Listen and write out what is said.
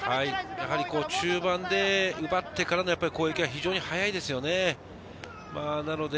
中盤で奪ってからの攻撃は非常に速いですよね。